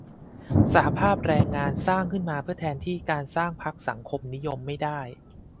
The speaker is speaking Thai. สหภาพแรงงานสร้างขึ้นมาเพื่อแทนที่การสร้างพรรคสังคมนิยมไม่ได้